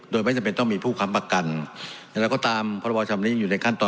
โดยไม่จำเป็นต้องมีผู้คำประกันแล้วก็ตามพระบาทชำนาญิงอยู่ในขั้นต่อ